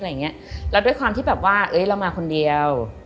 แล้วด้วยความที่แบบว่าเอ้ยเรามาคนเดียว